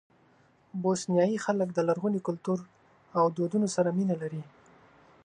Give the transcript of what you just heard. بوسنیایي خلک د لرغوني کلتور او دودونو سره مینه لري.